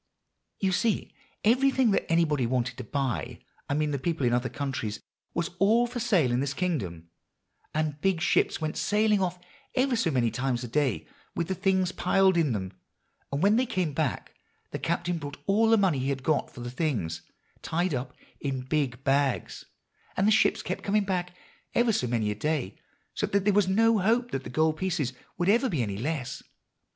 "You see, everything that anybody wanted to buy I mean the people in other countries was all for sale in this kingdom; and big ships went sailing off ever so many times a day with the things piled in them; and when they came back the captain brought all the money he got for the things, tied up in big bags; and the ships kept coming back, ever so many a day, so that there was no hope that the gold pieces would ever be any less.